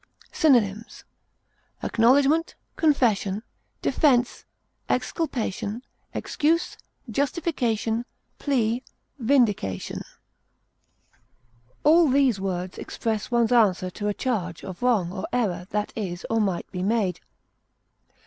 Synonyms: acknowledgment, defense, excuse, plea, confession, exculpation, justification, vindication. All these words express one's answer to a charge of wrong or error that is or might be made.